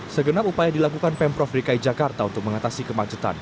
segenap upaya dilakukan pemprov dki jakarta untuk mengatasi kemacetan